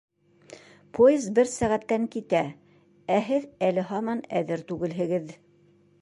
Поезд бер сәғәттән китә, ә һеҙ әле һаман әҙер түгелһегеҙ.